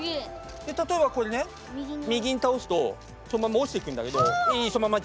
例えばこれね右に倒すとそのまま落ちてくんだけど。